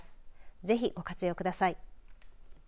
ぜひご活用ください。